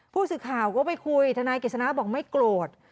ผู้สื่อข่าวก็ไปคุยทนายกฤษณะบอกไม่โกรธ